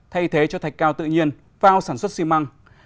thay thế cho thạch cao tự nhiên vào sản xuất xi măng